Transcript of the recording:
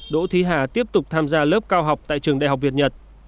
đỗ thí hà tiếp tục tham gia lớp cao học tại trường đại học việt nhật